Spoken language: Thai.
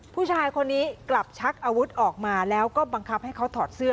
ผู้ชายคนนี้กลับชักอาวุธออกมาแล้วก็บังคับให้เขาถอดเสื้อ